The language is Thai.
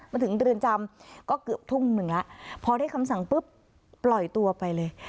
มาถึงเรือนจำก็เกือบทุ่มหนึ่งแล้วพอได้คำสั่งปุ๊บปล่อยตัวไปเลย